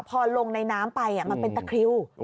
พอลงในน้ำไปมันเป็นตะคริว